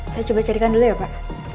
saya coba carikan dulu ya pak